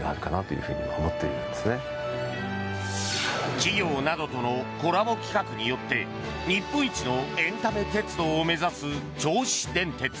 企業などとのコラボ企画によって日本一のエンタメ鉄道を目指す銚子電鉄。